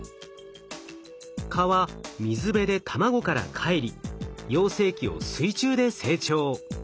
蚊は水辺で卵からかえり幼生期を水中で成長。